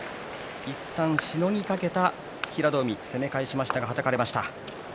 いったんしのぎかけた平戸海攻め返しましたがはたかれました。